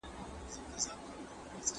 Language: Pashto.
ماشومان باید له پوهې برخمن سي.